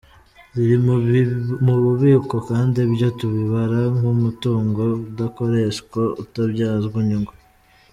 Ziri mu bubiko kandi ibyo tubibara nk’umutungo udakoreshwa, utabyazwa inyungu.